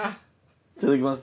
いただきます。